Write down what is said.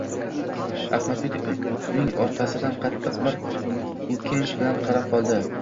Ahmadbek uning orqasidan qattiq bir o’kinch bilan qarab qoldi.